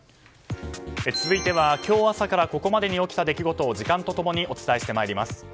続いては今日朝からここまでに起きた出来事を時間と共にお伝えしてまいります。